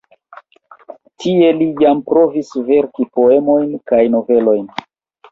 Tie li jam provis verki poemojn kaj novelojn.